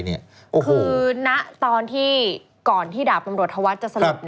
คือณตอนที่ก่อนที่ดาบตำรวจธวัฒน์จะสลบ